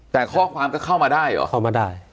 แต่ข้อความก็เข้ามาได้เหรอเข้ามาได้